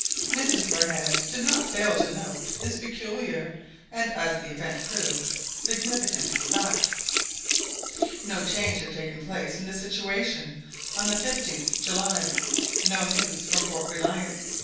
Mrs Barnett did not fail to note this peculiar, and, as the event proved, significant fact. No change had taken place in the situation on the 15th July. No news from Fort Reliance.